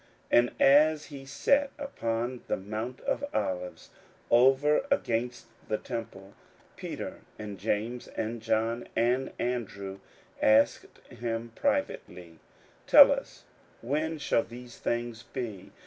41:013:003 And as he sat upon the mount of Olives over against the temple, Peter and James and John and Andrew asked him privately, 41:013:004 Tell us, when shall these things be?